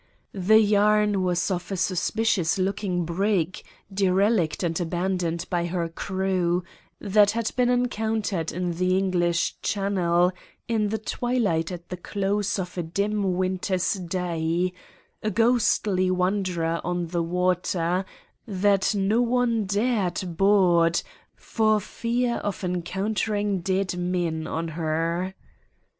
The yarn was of a suspicious looking brig, derelict and abandoned by her crew, that had been encountered in the English Channel in the twilight at the close of a dim winter's day; a ghostly wanderer on the water that no one dared board for fear of encountering dead men on her.